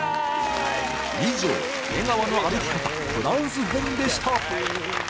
以上「出川の歩き方」フランス編でした